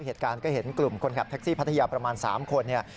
เหตุการณ์ก็เห็นกลุ่มคนขับแท็กซี่พัทยาประมาณ๓คนเนี่ย